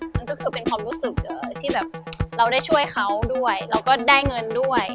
มันก็คือเป็นความรู้สึกที่แบบเราได้ช่วยเขาด้วยเราก็ได้เงินด้วย